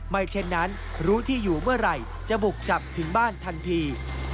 เช่นนั้นรู้ที่อยู่เมื่อไหร่จะบุกจับถึงบ้านทันที